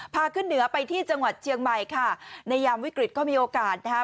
พาขึ้นเหนือไปที่จังหวัดเชียงใหม่ค่ะในยามวิกฤตก็มีโอกาสนะคะ